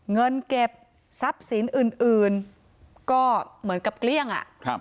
เงินเก็บทรัพย์สินอื่นก็เหมือนกับเกลี้ยง